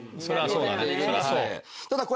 それはそうだ。